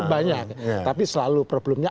banyak tapi selalu problemnya